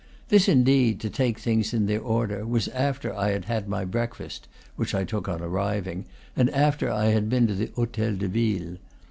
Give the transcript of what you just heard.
This indeed, to take things in their order, was after I had had my breakfast (which I took on arriv ing) and after I had been to the hotel de ville.